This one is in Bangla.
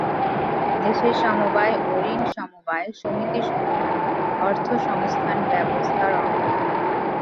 দেশের সমবায় ও ঋণ-সমবায় সমিতিসমূহও অর্থসংস্থান ব্যবস্থার অঙ্গ।